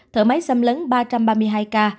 thở máy xâm lấn ba trăm ba mươi hai ca